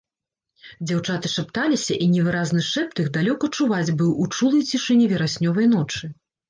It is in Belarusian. Дзяўчаты шапталіся, і невыразны шэпт іх далёка чуваць быў у чулай цішыні вераснёвай ночы.